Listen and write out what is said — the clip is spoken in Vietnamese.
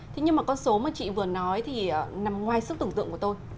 thế nhưng mà con số mà chị vừa nói thì nằm ngoài sức tưởng tượng của tôi